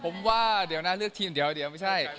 ผมว่าเดี๋ยวนะเลือกทีมเดี๋ยวไม่ใช่